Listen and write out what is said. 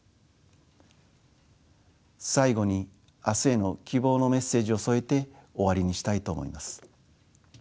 最後に明日への希望のメッセージを添えて終わりにしたいと思います。